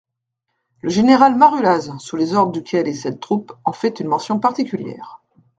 Le général Marulaz, sous les ordres duquel est cette troupe, en fait une mention, particulière.